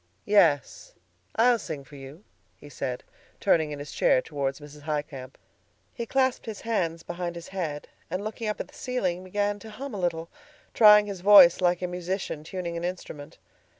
"Yes, I'll sing for you," he said, turning in his chair toward Mrs. Highcamp. He clasped his hands behind his head, and looking up at the ceiling began to hum a little, trying his voice like a musician tuning an instrument.